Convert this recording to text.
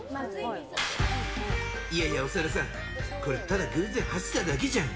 いやいや、長田さん、これ、ただ偶然走ってただけじゃん。